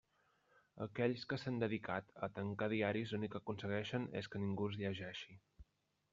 Aquells que s'han dedicat a tancar diaris l'únic que aconsegueixen és que ningú els llegeixi.